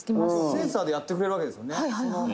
「センサーでやってくれるわけですもんね」